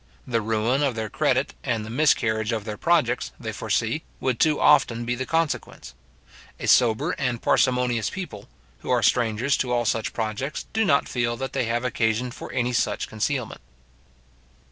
The ruin of their credit, and the miscarriage of their projects, they foresee, would too often be the consequence. A sober and parsimonious people, who are strangers to all such projects, do not feel that they have occasion for any such concealment.